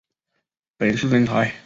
本次征才